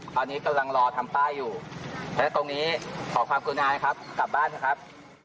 ตอนนี้กำลังรอทำต้ายอยู่เพราะฉะนั้นตรงนี้ขอความคุณอายนะครับกลับบ้านนะครับ